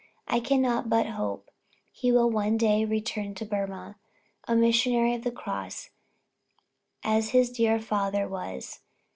I cannot but hope he will one day return to Burmah, a missionary of the cross, as his dear father was....